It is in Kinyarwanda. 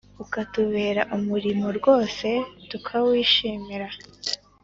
Ukatubera umurimo rwose tukawishimira